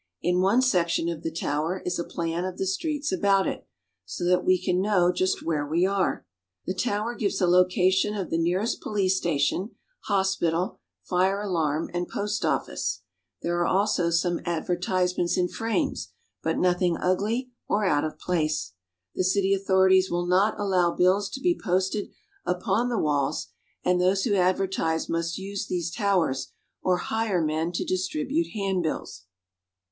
In one section of the tower is a plan of the streets about it, so that we can know just where we are. The tower gives the location of the nearest police station, hospital, fire alarm, and post office. There are also some advertise ments in frames, but nothing ugly or out of place. The city authorities will not allow bills to be posted upon the walls, and those who advertise must use these towers, or hire men to distribute handbills.